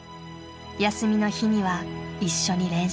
休みの日には一緒に練習。